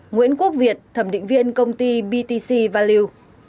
chín nguyễn quốc việt thẩm định viên công ty btc values